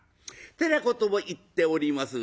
てなことを言っております